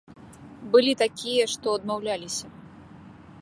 Былі такія, што адмаўляліся.